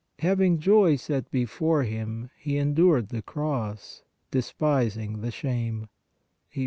" Having joy set before Him, He endured the cross, despising the shame " (Hebr.